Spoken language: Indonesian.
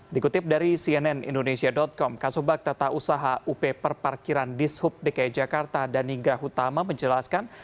dikutip dari cnn indonesia com kasubag tata usaha up perparkiran dishub dki jakarta dan ningga hutama menjelaskan